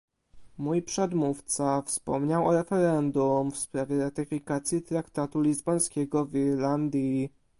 Mój przedmówca wspomniał o referendum w sprawie ratyfikacji traktatu lizbońskiego w Irlandii